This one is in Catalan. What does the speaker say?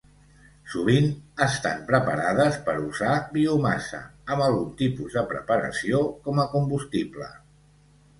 Sovint estan preparades per usar biomassa, amb algun tipus de preparació, com a combustible.